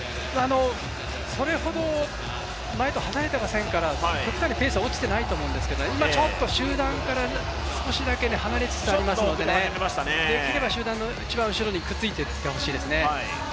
それほど前と離れていませんから、極端にペースは落ちていないと思うんですが今ちょっと集団から少しだけ離れつつありますのでできれば集団の一番後ろにくっついていってほしいですね。